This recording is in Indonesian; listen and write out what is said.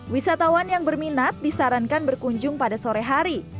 wisatawan yang berminat disarankan berkunjung pada sore hari